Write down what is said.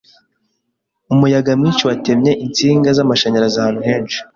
Umuyaga mwinshi watemye insinga z'amashanyarazi ahantu henshi.